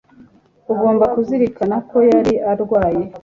Ugomba kuzirikana ko yari arwaye